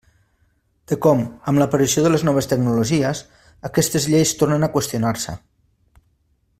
De com, amb l'aparició de les noves tecnologies, aquestes lleis tornen a qüestionar-se.